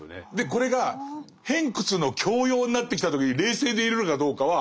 これが偏屈の強要になってきた時に冷静でいれるかどうかは。